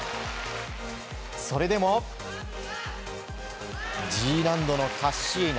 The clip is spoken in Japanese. それでもＧ難度のカッシーナ。